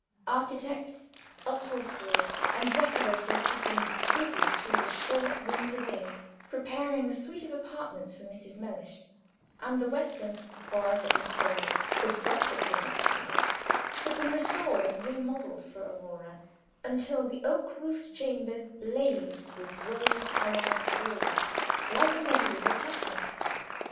Architects, upholsterers, and decorators had been busy through the short winter days preparing a suite of apartments for Mrs. Mellish; and the western, or, as it was called, the Gothic wing of the house, had been restored and remodelled for Aurora, until the oak roofed chambers blazed with rose color and gold, like a mediæval chapel.